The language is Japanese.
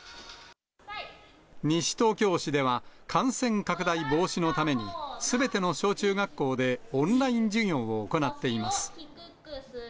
西東京市では、感染拡大防止のために、すべての小中学校でオンライン授業を行っています。